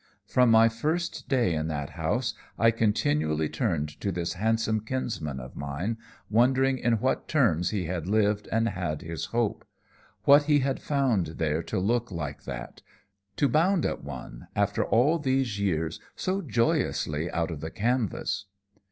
From my first day in that house, I continually turned to this handsome kinsman of mine, wondering in what terms he had lived and had his hope; what he had found there to look like that, to bound at one, after all those years, so joyously out of the canvas.